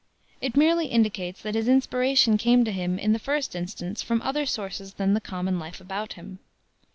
It merely indicates that his inspiration came to him in the first instance from other sources than the common life about him.